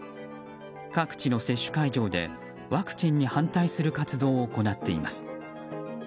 各地の接種会場でワクチンに反対する活動を行っています。